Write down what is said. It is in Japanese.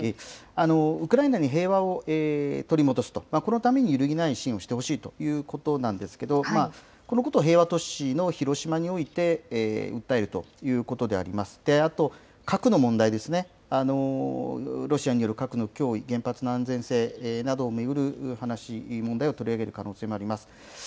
ウクライナに平和を取り戻すと、このために揺るぎない支援をしてほしいということなんですけれども、このことを平和都市の広島において、訴えるということでありまして、あと核の問題ですね、ロシアによる核の脅威、原発の安全性などを巡る話、問題を取り上げる可能性もあります。